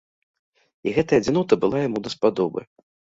І гэтая адзінота была яму даспадобы.